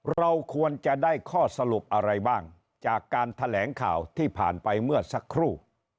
เราควรจะได้ข้อสรุปอะไรบ้างจากการแถลงข่าวที่ผ่านไปเมื่อสักครู่